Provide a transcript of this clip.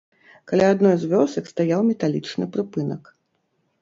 Каля адной з вёсак стаяў металічны прыпынак.